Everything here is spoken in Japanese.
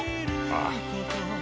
ああ。